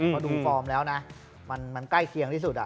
เพราะดูฟอร์มแล้วนะมันใกล้เคียงที่สุด